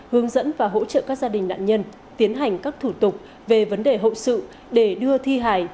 hướng dẫn và hỗ trợ các gia đình nạn nhân tiến hành các thủ tục về vấn đề hậu sự để đưa thi hài